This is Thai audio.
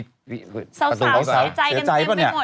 สาวเสียใจกันเต็มไปหมดน่ะเลย